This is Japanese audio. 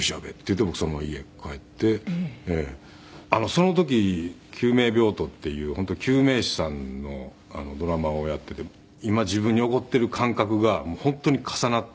「その時『救命病棟』っていう本当救命士さんのドラマをやっていて今自分に起こっている感覚が本当に重なって」